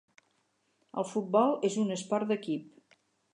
El futbol és un esport d'equip.